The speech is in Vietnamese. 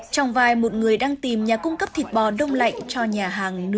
trong vai một người đang tìm nhà cung cấp thịt bò đông lạnh cho nhà hàng nướng lẩu